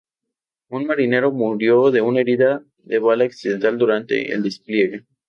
Un marinero murió de una herida de bala accidental durante el despliegue.